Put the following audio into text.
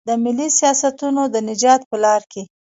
د ملي سیاستونو د نجات په لار کې.